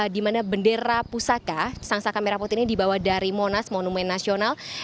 di mana bendera pusaka sang saka merah putih ini dibawa dari monas monumen nasional